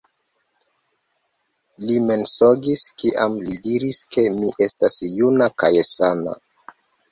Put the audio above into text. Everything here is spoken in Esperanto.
Li mensogis, kiam li diris, ke mi estas juna kaj sana!